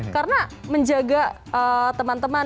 karena menjaga teman teman